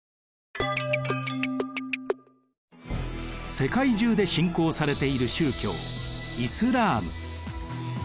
世界中で信仰されている宗教イスラーム。